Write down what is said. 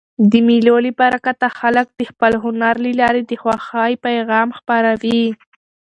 د مېلو له برکته خلک د خپل هنر له لاري د خوښۍ پیغام خپروي.